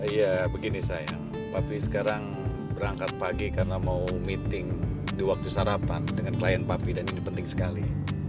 ya begini sayang papi sekarang berangkat pagi karena mau meeting di waktu sarapan dengan klien papi dan ini penting sekali